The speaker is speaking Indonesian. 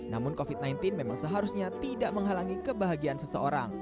namun covid sembilan belas memang seharusnya tidak menghalangi kebahagiaan seseorang